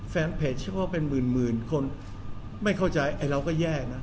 แฟนเพจเฉพาะเป็นหมื่นคนไม่เข้าใจไอ้เราก็แย่นะ